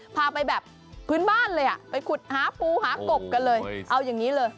พาไปแบบพื้นบ้านเลยอ่ะไปขุดหาปูหากบกันเลยเอาอย่างนี้เลย